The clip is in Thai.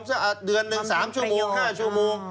สะอาดเดือนนึง๓ชั่วโมง๕ชั่วโมง